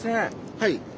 はい。